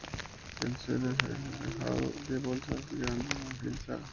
El suelo es un de ajedrezado de baldosas en granate y marfil claro.